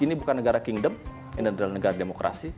ini bukan negara kingdom ini adalah negara demokrasi